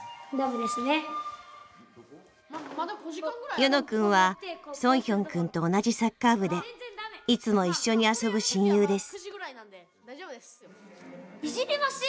ユノくんはソンヒョンくんと同じサッカー部でいつも一緒に遊ぶ親友です。